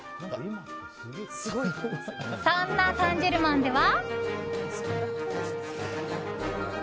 そんなサンジェルマンでは。